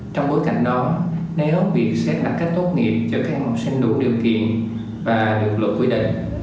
trong bối cảnh đó nếu việc xét đặt cách tốt nghiệp cho các học sinh đủ điều kiện và được luật quy định